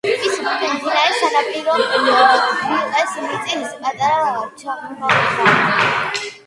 მისი ბუდე მდინარის სანაპირო რიყეზე მიწის პატარა ჩაღრმავებაა.